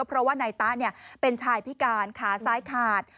เพราะว่านายตะเป็นชายพิการขาซ้ายขาด